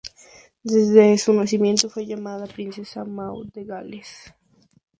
Desde su nacimiento fue llamada princesa Maud de Gales.